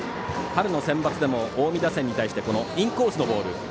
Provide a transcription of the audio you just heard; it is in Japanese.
春のセンバツでも近江打線に対してインコースのボール